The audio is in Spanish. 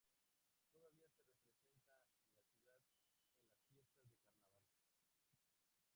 Todavía se representa en la ciudad, en las fiestas de carnaval.